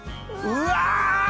うわ！